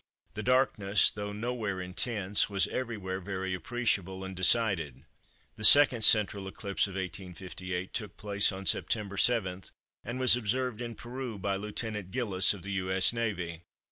The darkness, though nowhere intense, was everywhere very appreciable and decided. The second central eclipse of 1858 took place on September 7 and was observed in Peru by Lieutenant Gilliss of the U.S. Navy.